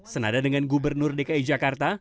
senada dengan gubernur dki jakarta